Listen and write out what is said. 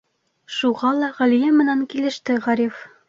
Шуға ла Ғәлиә менән килеште Ғариф.